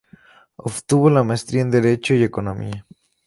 Obtuvo la maestría en derecho y economía.